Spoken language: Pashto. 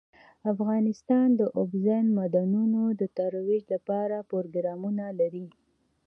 افغانستان د اوبزین معدنونه د ترویج لپاره پروګرامونه لري.